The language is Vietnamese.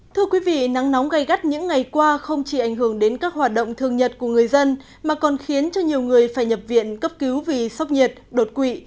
thưa quý vị nắng nóng gây gắt những ngày qua không chỉ ảnh hưởng đến các hoạt động thường nhật của người dân mà còn khiến cho nhiều người phải nhập viện cấp cứu vì sốc nhiệt đột quỵ